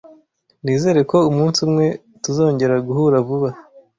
Nizere ko umunsi umwe tuzongera guhura vuba.